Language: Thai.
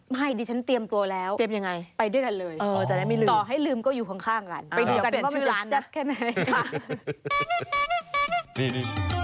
ไม่ดิฉันเตรียมตัวแล้วเตรียมยังไงไปด้วยกันเลยต่อให้ลืมก็อยู่ข้างกันไปดูกันว่ามันแซ่บแค่ไหนค่ะ